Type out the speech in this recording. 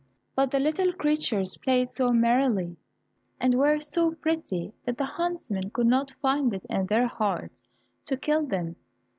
But the little creatures played so merrily, and were so pretty, that the huntsmen could not find it in their hearts to kill them.